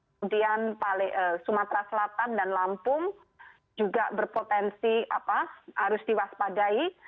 kemudian sumatera selatan dan lampung juga berpotensi harus diwaspadai